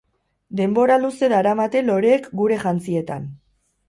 Denbora luze daramate loreek gure jantzietan.